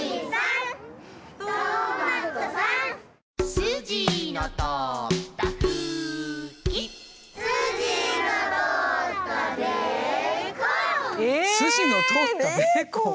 「すじのとおったベーコン」。